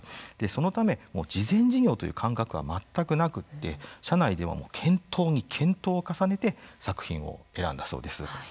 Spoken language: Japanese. そのため慈善事業という感覚は全くなくって社内では検討に検討を重ねて作品を選んだそうです。